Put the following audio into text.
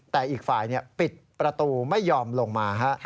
แต่อีกฝ่ายปิดประตูไม่ยอมลงมา